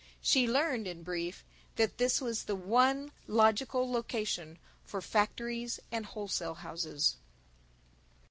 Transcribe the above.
She learned, in brief, that this was the one Logical Location for factories and wholesale houses.